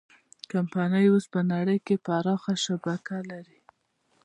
کمپنۍ اوس په نړۍ کې پراخه شبکه لري.